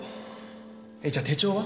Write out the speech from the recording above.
じゃあ手帳は？